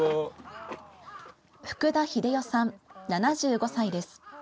福田英世さん、７５歳です。